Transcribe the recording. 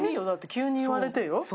だって急に言われてよ。